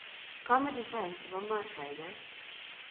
kamoche chai ce bo maat kaaikaai.